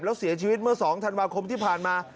แล้วเสียชีวิตเมื่อ๒ธันวาคมที่ผ่านมา